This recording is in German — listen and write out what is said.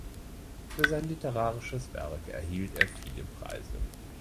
Für sein literarisches Werk erhielt er viele Preise.